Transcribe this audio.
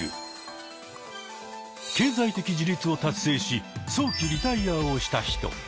経済的自立を達成し早期リタイアをした人。